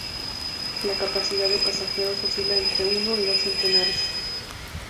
La capacidad de pasajeros oscila entre uno y dos centenares.